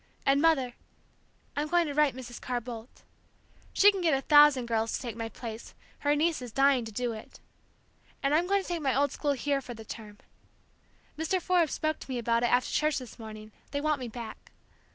And, Mother, I'm going to write Mrs. Carr Boldt, she can get a thousand girls to take my place, her niece is dying to do it! and I'm going to take my old school here for the term. Mr. Forbes spoke to me about it after church this morning; they want me back.